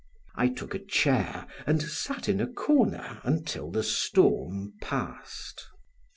I took a chair and sat in a corner until the storm passed.